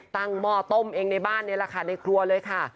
หม้อต้มเองในบ้านนี่แหละค่ะในครัวเลยค่ะ